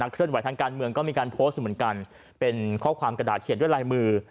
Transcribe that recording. เคลื่อนไหวทางการเมืองก็มีการโพสต์เหมือนกันเป็นข้อความกระดาษเขียนด้วยลายมือ